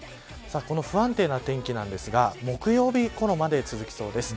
この不安定な天気なんですが木曜日ごろまで続きそうです。